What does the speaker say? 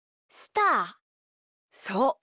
そう。